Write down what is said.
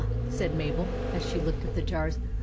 " said Mabel, as she looked at the jars.